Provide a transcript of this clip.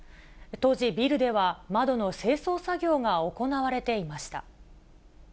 当時ビルでは、窓の清掃作業が行われていました。